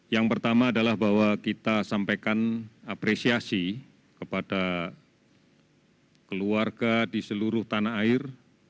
yang pertama adalah bahwa kita sampaikan apresiasi kepada keluarga di seluruh tanah air